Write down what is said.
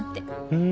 うん。